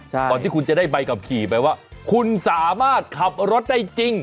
ก่อนที่คุณจะได้ใบขับขี่ไปว่าคุณสามารถขับรถได้จริง